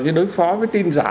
chống đối phó với tin giả